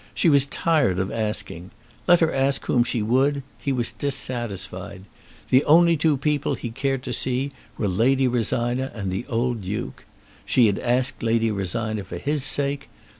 She was tired of asking. Let her ask whom she would, he was dissatisfied. The only two people he cared to see were Lady Rosina and the old Duke. She had asked Lady Rosina for his sake.